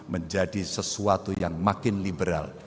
menjadi sesuatu yang makin liberal